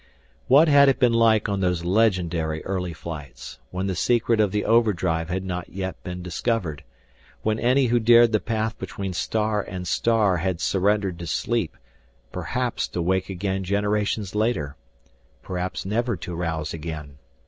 What had it been like on those legendary early flights, when the secret of the overdrive had not yet been discovered, when any who dared the path between star and star had surrendered to sleep, perhaps to wake again generations later, perhaps never to rouse again?